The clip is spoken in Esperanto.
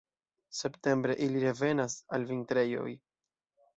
Septembre ili revenas al vintrejoj.